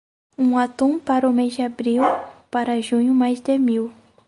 Um atum para o mês de abril, para junho mais de mil.